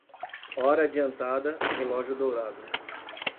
Hora adiantada, relógio dourado.